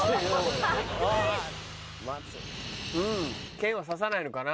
剣は刺さないのかな。